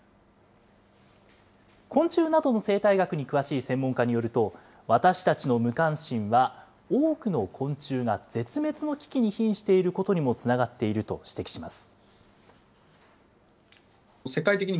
昆虫などの生態学に詳しい専門家によると、私たちの無関心は、多くの昆虫が絶滅の危機に瀕していることにもつながっていると指摘します。